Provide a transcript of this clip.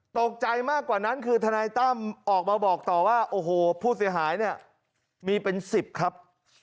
ตกใจมากกว่านั้นคือทนายตั้มออกมาบอกต่อว่าโอ้โหผู้เสียหายเนี่ยมีเป็น๑๐ครับ